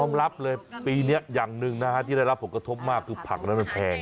รับเลยปีนี้อย่างหนึ่งนะฮะที่ได้รับผลกระทบมากคือผักนั้นมันแพง